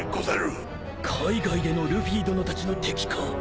海外でのルフィ殿たちの敵か。